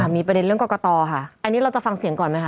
มีประเด็นเรื่องกรกตค่ะอันนี้เราจะฟังเสียงก่อนไหมค